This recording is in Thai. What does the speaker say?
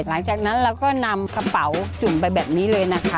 หลังจากนั้นเราก็นำกระเป๋าจุ่มไปแบบนี้เลยนะคะ